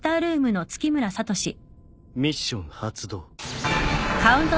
ミッション発動。